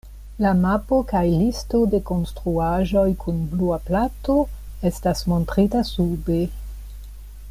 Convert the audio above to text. La mapo kaj listo de konstruaĵoj kun Blua Plato estas montrita sube.